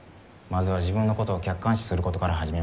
まずは自分のことを客観視することから始めました。